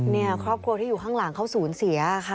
เนี่ยครอบครัวที่อยู่ข้างหลังเขาสูญเสียค่ะ